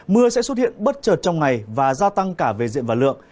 mưa sẽ xuất hiện bất chợt trong ngày và gia tăng cả về diện và lượng